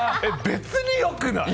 別によくない？